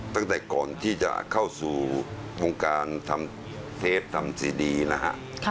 ตั้งแต่ก่อนที่จะเข้าสู่วงการทำเทปทำสีดีนะฮะ